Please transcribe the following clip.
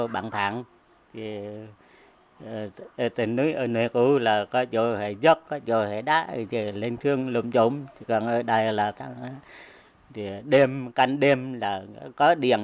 bán tiền đặc biệt là gắn bệnh viện